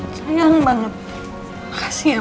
sayang banget kasih ya